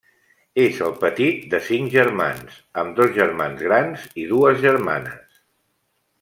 És el petit de cinc germans, amb dos germans grans i dues germanes.